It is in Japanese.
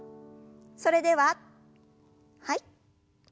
それでははい。